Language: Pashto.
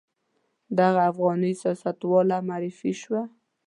دغه افغاني سیاستواله معرفي شوه.